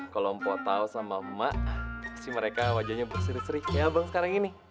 kalau mpok tau sama mak pasti mereka wajahnya berseri seri kayak bang sekarang ini